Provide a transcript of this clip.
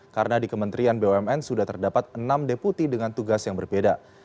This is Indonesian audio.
karena di kementerian bumn sudah terdapat enam deputi dengan tugas yang berbeda